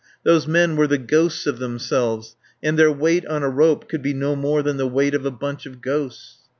Those men were the ghosts of themselves, and their weight on a rope could be no more than the weight of a bunch of ghosts.